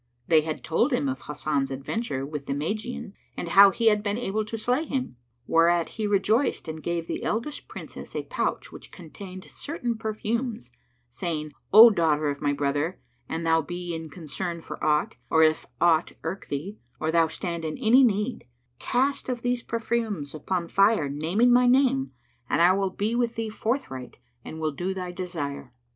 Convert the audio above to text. They had told him of Hasan's adventure with the Magian and how he had been able to slay him; whereat he rejoiced and gave the eldest Princess a pouch[FN#107] which contained certain perfumes, saying, "O daughter of my brother, an thou be in concern for aught, or if aught irk thee, or thou stand in any need, cast of these perfumes upon fire naming my name and I will be with thee forthright and will do thy desire."